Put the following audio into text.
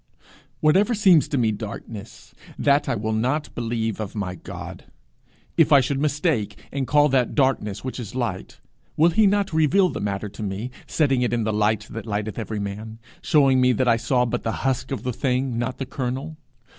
Whatever seems to me darkness, that I will not believe of my God. If I should mistake, and call that darkness which is light, will he not reveal the matter to me, setting it in the light that lighteth every man, showing me that I saw but the husk of the thing, not the kernel?